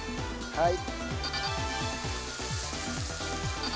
はい。